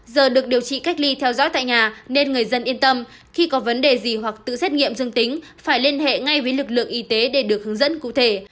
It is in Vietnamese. giờ được điều trị cách ly theo dõi tại nhà nên người dân yên tâm khi có vấn đề gì hoặc tự xét nghiệm dương tính phải liên hệ ngay với lực lượng y tế để được hướng dẫn cụ thể